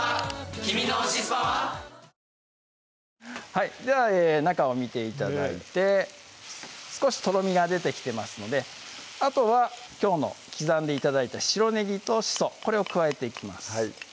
はいでは中を見て頂いて少しとろみが出てきてますのであとはきょうの刻んで頂いた白ねぎとしそこれを加えていきます